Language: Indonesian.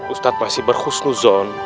ustadz masih berhusnuzon